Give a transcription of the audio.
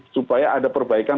supaya ada perbaikan